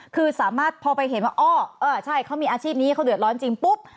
คือสามารถพอไปเห็นว่าอ้อเออใช่เขามีอาชีพนี้เขาเดือดร้อนจริงปุ๊บ